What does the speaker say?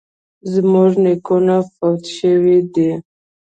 زموږ نیکونه فوت شوي دي